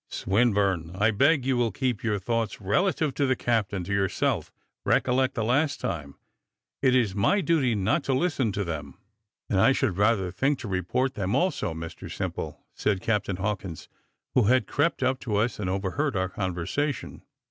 "Swinburne, I beg you will keep your thoughts relative to the captain to yourself; recollect the last time. It is my duty not to listen to them." "And I should rather think, to report them also, Mr Simple," said Captain Hawkins, who had crept up to us, and overheard our conversation.